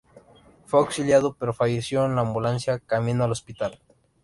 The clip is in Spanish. Fue auxiliado pero falleció en la ambulancia camino al hospital.